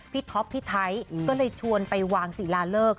ท็อปพี่ไทยก็เลยชวนไปวางศิลาเลิก